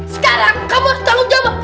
sekarang kamu harus tanggung jawab